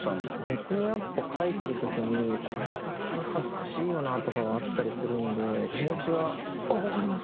僕もやっぱ書いてる時にこれはさすがに恥ずかしいよなとかはあったりするんで気持ちはわかります。